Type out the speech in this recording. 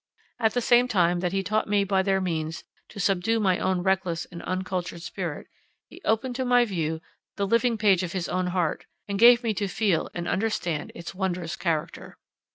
At the same time that he taught me by their means to subdue my own reckless and uncultured spirit, he opened to my view the living page of his own heart, and gave me to feel and understand its wondrous character.